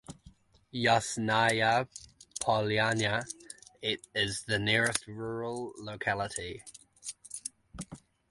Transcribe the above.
Yasnaya Polyana is the nearest rural locality.